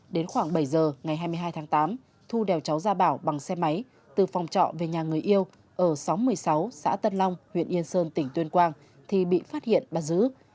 đến khoảng bảy giờ ngày hai mươi hai tháng tám thu đèo cháu gia bảo bằng xe máy từ phòng trọ về nhà người yêu ở xóm một mươi sáu xã tân long huyện yên sơn tỉnh tuyên quang thì bị phát hiện bắt giữ